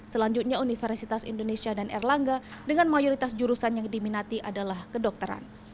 selanjutnya universitas indonesia dan erlangga dengan mayoritas jurusan yang diminati adalah kedokteran